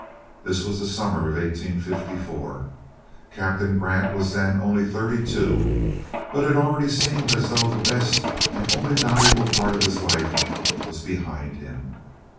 This was the summer of 1854. Captain Grant was then only thirty two, but it already seemed as though the best and only valuable part of his life was behind him.